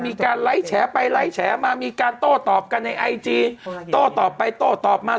มีการไลค์แฉไปไลค์แฉมามีการโต้ตอบกันในไอจีโต้ตอบไปโต้ตอบมา